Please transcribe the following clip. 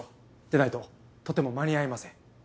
でないととても間に合いません。